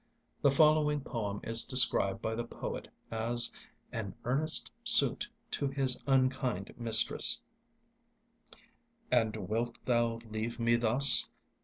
The following poem is described by the poet as "An earnest Suit to his unkind Mistress": And wilt thou leave me thus?